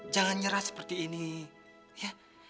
jangan nyerah seperti ini ya